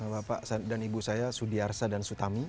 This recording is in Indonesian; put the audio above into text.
bapak dan ibu saya sudiarsa dan sutami